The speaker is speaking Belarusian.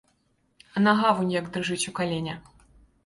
І нага вунь як дрыжыць у калене.